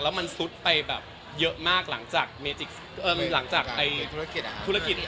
แล้วมันสุดไปเยอะมากหลังจากธุรกิจอาหารเติม